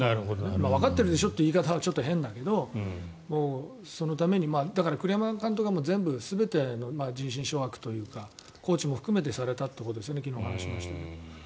わかってるでしょって言い方はちょっと変だけど、そのために栗山監督は全部全て人心掌握というかコーチも含めてされたということですよね。